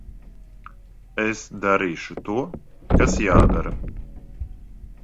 Es darīšu to, kas jādara.